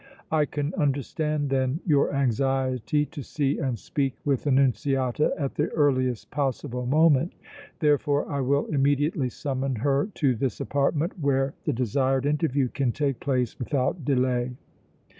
"I can understand then your anxiety to see and speak with Annunziata at the earliest possible moment. Therefore, I will immediately summon her to this apartment where the desired interview can take place without delay."